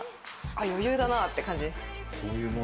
余裕だなって感じです。